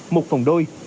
một phòng đôi